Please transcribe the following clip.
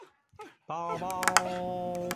这个引理的前提是价格为正且利润函数可微。